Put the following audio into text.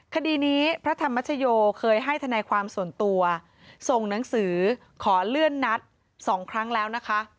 คดีนี้พระธรรมชโยเคยให้ทนายความส่วนตัวส่งหนังสือขอเลื่อนนัด๒ครั้งแล้วนะคะ